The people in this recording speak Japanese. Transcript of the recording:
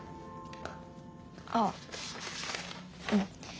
あっうん。